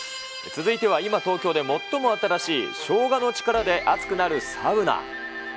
続いては今、東京で最も新しいしょうがの力で熱くなるサウナ。